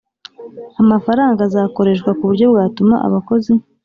amafaranga azakoreshwa ku buryo bwatuma abakozi